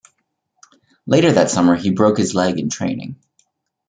Later that summer he broke his leg in training.